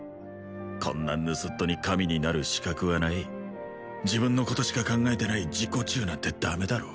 こんな盗人に神になる資格はない自分のことしか考えてない自己中なんてダメだろ？